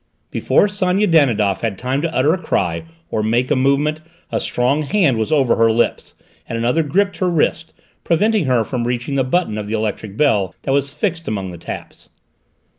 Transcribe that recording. Before Sonia Danidoff had time to utter a cry or make a movement, a strong hand was over her lips, and another gripped her wrist, preventing her from reaching the button of the electric bell that was fixed among the taps.